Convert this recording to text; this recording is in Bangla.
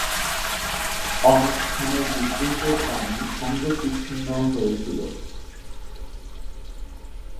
অনেক স্থানের বিদ্যুৎ ও পানি সংযোগ বিচ্ছিন্ন হয়েছিল।